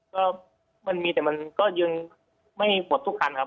ก็มันมีแต่มันก็ยังไม่หมดทุกคันครับ